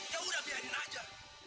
yaudah biarin aja